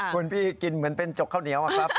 คุณพี่กินเหมือนเป็นจกข้าวเหนียวอะครับ